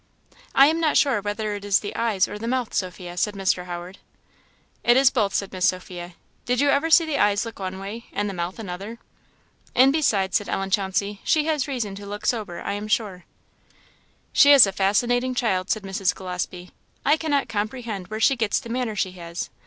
"I am not sure whether it is the eyes or the mouth, Sophia," said Mr. Howard. "It is both," said Miss Sophia. "Did you ever see the eyes look one way and the mouth another?" "And besides," said Ellen Chauncey, "she has reason to look sober, I am sure." "She is a fascinating child," said Mrs. Gillespie. "I cannot comprehend where she gets the manner she has.